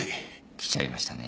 きちゃいましたね。